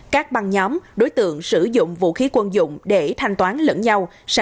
các băng nhóm đối tượng sử dụng vũ khí quân dụng để thanh toán lẫn nhau